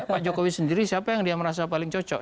pak jokowi sendiri siapa yang dia merasa paling cocok